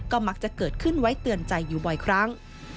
ก็มักจะเกิดขึ้นไว้เตือนใจอยู่บ่อยครั้ง